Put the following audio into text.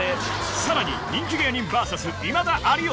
さらに人気芸人ＶＳ今田・有吉。